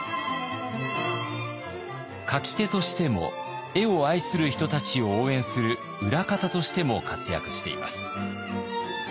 描き手としても絵を愛する人たちを応援する裏方としても活躍しています。